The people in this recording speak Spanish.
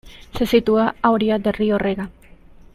Se sitúa a orillas del río Rega.